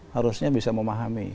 harusnya bisa memahami